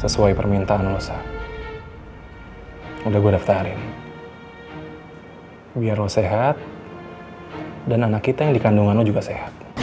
sesuai permintaan losa udah gue daftarin biar lo sehat dan anak kita yang dikandungan lo juga sehat